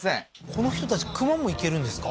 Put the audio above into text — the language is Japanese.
この人たち熊もいけるんですか？